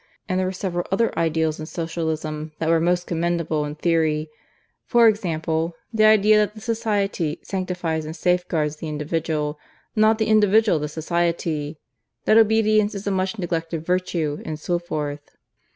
And there were several other ideals in Socialism that were most commendable in theory: for example, the idea that the Society sanctifies and safeguards the individual, not the individual the Society; that obedience is a much neglected virtue, and so forth.